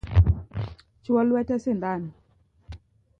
Chwo lwete sindan